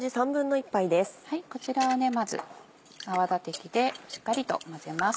こちらをまず泡立て器でしっかりと混ぜます。